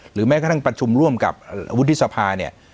แม้กระทั่งประชุมร่วมกับวุฒิสภาเนี่ย